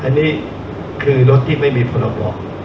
อันนี้คือรถที่ไม่มีพรบ